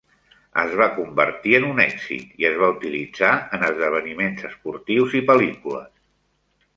Es va convertir en un èxit, i es va utilitzar en esdeveniments esportius i pel·lícules.